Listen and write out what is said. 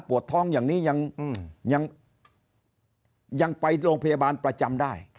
ท้องอย่างนี้ยังไปโรงพยาบาลประจำได้